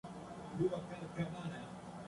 La mayoría de los apicultores lo son por afición.